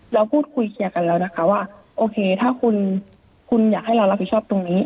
เราพูดคุยเคลียร์กันแล้วนะคะว่าโอเคถ้าคุณอยากให้เรารับผิดชอบตรงนี้